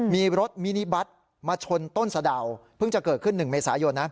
มีรถมินิบัตรมาชนต้นสะดาวเพิ่งจะเกิดขึ้น๑เมษายนนะ